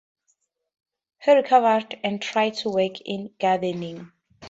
He recovered and tried to work in gardening.